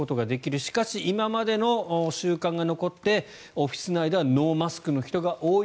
しかし今までの習慣が残ってオフィス内ではノーマスクの人が多い。